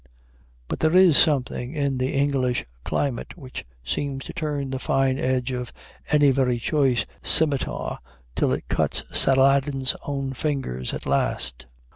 But there is something in the English climate which seems to turn the fine edge of any very choice scymitar till it cuts Saladin's own fingers at last.